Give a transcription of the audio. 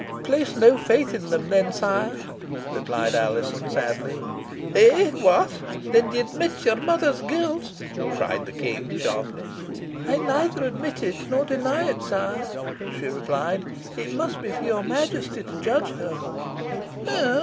"Place no faith in them then, sire," replied Alizon, sadly. "Eh! what! then you admit your mother's guilt?" cried the King, sharply. "I neither admit it nor deny it, sire," she replied. "It must be for your Majesty to judge her."